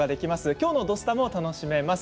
今日の「土スタ」も楽しめます。